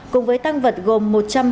cùng với tăng vật gồm